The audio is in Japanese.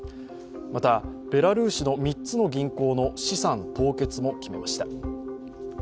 また、ベラルーシの３つの銀行の資産凍結も決めました。